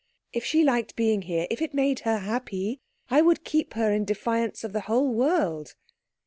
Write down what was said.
"If she liked being here if it made her happy I would keep her in defiance of the whole world."